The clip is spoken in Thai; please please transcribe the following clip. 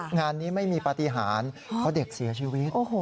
งานนี้ไม่มีปฏิหารเพราะเด็กเสียชีวิต